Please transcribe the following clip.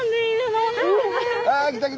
あ来た来た。